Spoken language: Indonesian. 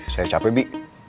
saya capek bi